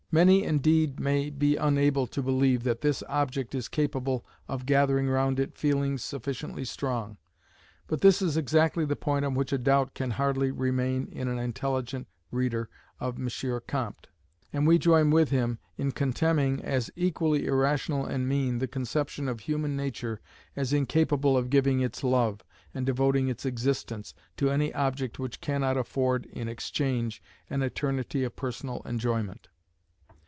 Many indeed may be unable to believe that this object is capable of gathering round it feelings sufficiently strong; but this is exactly the point on which a doubt can hardly remain in an intelligent reader of M. Comte: and we join with him in contemning, as equally irrational and mean, the conception of human nature as incapable of giving its love, and devoting its existence, to any object which cannot afford in exchange an eternity of personal enjoyment."